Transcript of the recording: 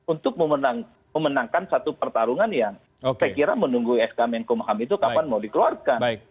untuk memenangkan satu pertarungan yang saya kira menunggu sk menkumham itu kapan mau dikeluarkan